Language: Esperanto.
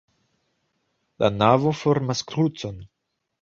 La navo formas krucon.